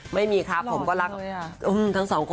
ไม่มีครับผมก็รัก